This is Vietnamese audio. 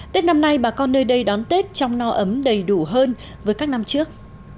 tết năm nay bà con nơi đây đón tết trong no ấm đầy đủ hơn với các năm trước